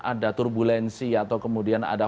ada turbulensi atau kemudian ada